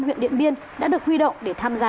huyện điện biên đã được huy động để tham gia